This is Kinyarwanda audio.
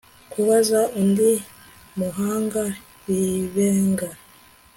kubaza undi muhanga bibenga